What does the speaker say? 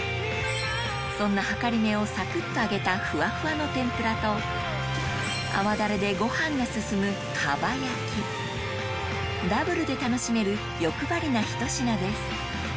そんなはかりめをサクっと揚げたふわふわの甘ダレでご飯が進むダブルで楽しめる欲張りなひと品です